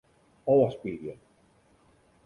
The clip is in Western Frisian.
Ofspylje.